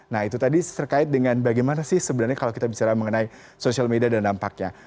nah itu tadi terkait dengan bagaimana sih sebenarnya kalau kita bicara mengenai social media dan dampaknya